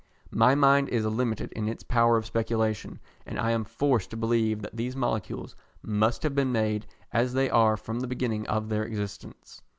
My mind is limited in its power of speculation, and I am forced to believe that these molecules must have been made as they are from the beginning of their existence.